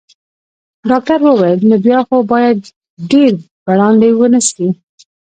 ډاکټر وویل: نو بیا خو باید ډیر برانډي ونه څښې.